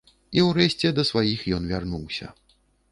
І ўрэшце да сваіх ён вярнуўся.